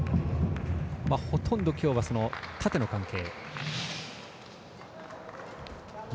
ほとんどきょうは縦の関係。